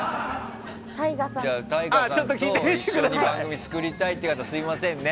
ＴＡＩＧＡさんと一緒に番組を作りたい方すみませんね。